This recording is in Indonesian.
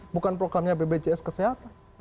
bukan programnya bbjs kesehatan